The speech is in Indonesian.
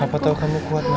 apa tau kamu kuat gak ya